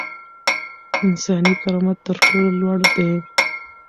انساني کرامت تر ټولو لوړ دی.